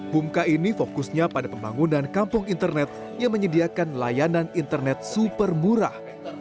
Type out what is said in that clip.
bumka ini fokusnya pada pembangunan kampung internet yang menyediakan layanan internet super murah